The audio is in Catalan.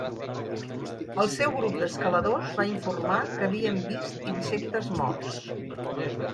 El seu grup d'escaladors va informar que havien vist insectes morts.